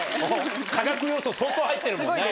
化学要素相当入ってるもんね。